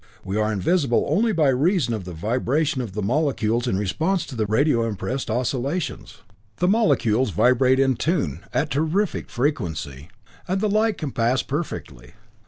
We are invisible only by reason of the vibration of the molecules in response to the radio impressed oscillations. The molecules vibrate in tune, at terrific frequency, and the light can pass perfectly.